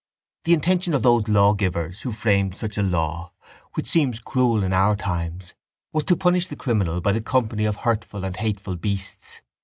The intention of those law givers who framed such a law, which seems cruel in our times, was to punish the criminal by the company of hurtful and hateful beasts.